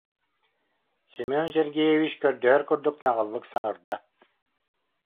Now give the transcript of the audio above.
Семен Сергеевич көрдөһөр курдук наҕыллык саҥарда